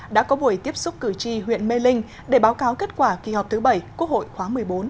đã có buổi tiếp xúc cử tri huyện mê linh để báo cáo kết quả kỳ họp thứ bảy quốc hội khóa một mươi bốn